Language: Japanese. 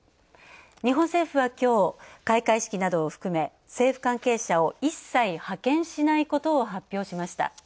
日本政府は、きょう、開会式などを含め政府関係者を一切、派遣しないことを発表しました。